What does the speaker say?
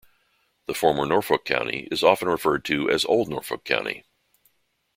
The former Norfolk County is often referred to as Old Norfolk County.